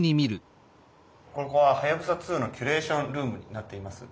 ここははやぶさ２のキュレーションルームになっています。